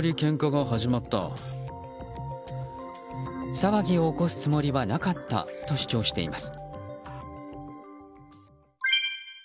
騒ぎを起こすつもりはなかったと主張しています。